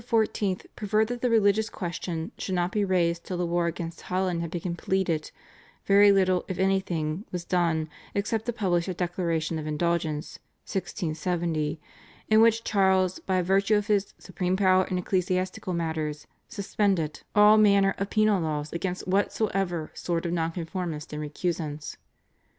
preferred that the religious question should not be raised till the war against Holland had been completed, very little, if anything, was done, except to publish a Declaration of Indulgence (1672) in which Charles by virtue of his "supreme power in ecclesiastical matters" suspended "all manner of penal laws against whatsoever sort of Nonconformists and Recusants."